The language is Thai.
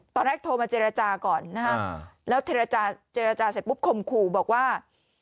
ตอนแรกโทรมาเจรจาก่อนแล้วเจรจาเจรจาเสร็จปุ๊บคมขูบอกว่า